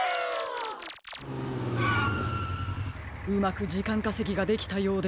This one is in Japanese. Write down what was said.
うまくじかんかせぎができたようですね。